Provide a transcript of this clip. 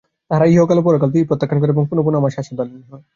তাহারা ইহকাল ও পরকাল দুই-ই প্রত্যাখ্যান করে এবং পুনঃপুন আমার শাসনাধীন হয়।